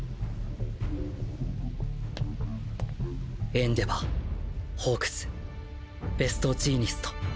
エンデヴァーホークスベストジーニスト